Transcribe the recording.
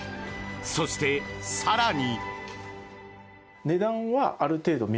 そして、更に。